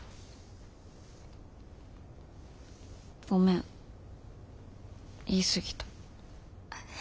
ごめん言い過ぎた。